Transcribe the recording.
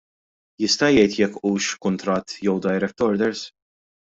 Jista' jgħid jekk hux kuntratt jew direct orders?